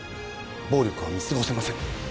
暴力は見すごせません